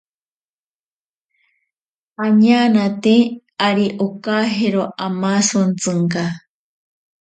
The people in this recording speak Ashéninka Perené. Añanate ari okajero amasontsinka.